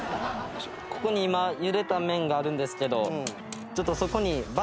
ここに今茹でた麺があるんですけどちょっとそこにバターを。